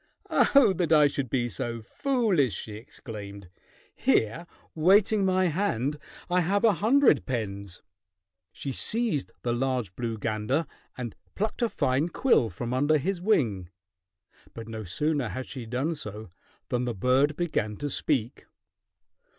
"Oh, that I should be so foolish!" she exclaimed. "Here waiting my hand I have a hundred pens." She seized the large blue gander and plucked a fine quill from under his wing, but no sooner had she done so than the bird began to speak.